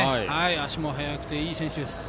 足も速くて、いい選手です。